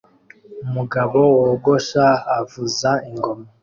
Umugabo wogosha avuza ingoma